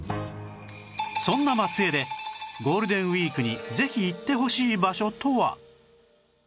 そんな松江でゴールデンウィークにぜひ行ってほしい場所とは？